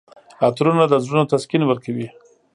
عطرونه د زړونو تسکین ورکوي.